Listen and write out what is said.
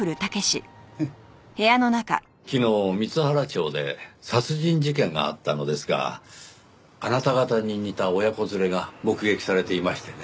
昨日光原町で殺人事件があったのですがあなた方に似た親子連れが目撃されていましてね。